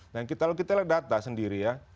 nah kalau kita lihat data sendiri ya